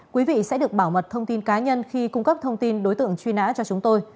quý vị sẽ được bảo mật thông tin cá nhân khi cung cấp thông tin đối tượng truy nã cho chúng tôi